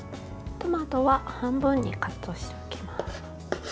トマトは半分にカットしていきます。